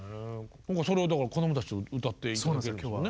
今回それをだからこどもたちと歌っていただけるんですよね。